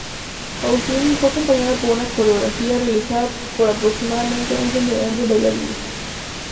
Pausini fue acompañada por una coreografía realizada por aproximadamente un centenar de bailarines.